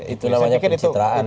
itu namanya pencitraan ya